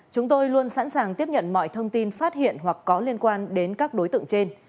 chúng tôi luôn sẵn sàng tiếp nhận mọi thông tin phát hiện hoặc có liên quan đến các đối tượng trên